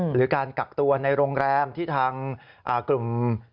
หรือการกักตัวในโรงแรมที่ทางกลุ่ม